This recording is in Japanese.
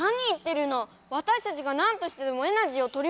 わたしたちがなんとしてでもエナジーをとりもどさないと！